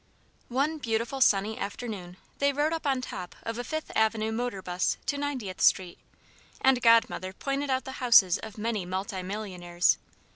One beautiful sunny afternoon they rode up on top of a Fifth Avenue motor 'bus to 90th Street, and Godmother pointed out the houses of many multi millionaires.